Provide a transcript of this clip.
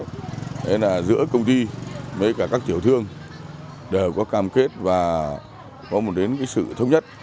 thế là giữa công ty với các tiểu thương đều có cam kết và có một đến sự thông nhất